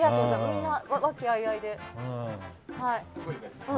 みんな、わきあいあいで。